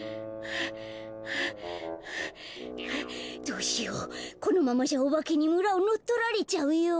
どうしようこのままじゃおばけにむらをのっとられちゃうよ。